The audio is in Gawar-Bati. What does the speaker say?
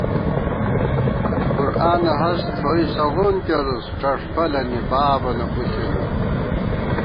قرآنہ ہست تھوئی سغون کېرُس ڄݭفَلَنی بابَنہ پُݪے نُن